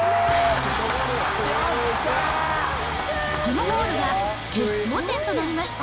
このゴールが決勝点となりました。